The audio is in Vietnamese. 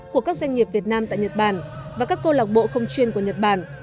của các doanh nghiệp việt nam tại nhật bản và các câu lạc bộ không chuyên của nhật bản